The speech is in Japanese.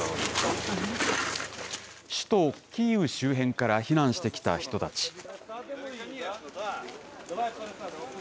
首都キーウ周辺から避難してきた人たち。